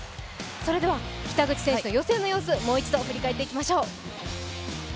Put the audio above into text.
それでは北口選手の予選の様子もう一度振り返っていきましょう。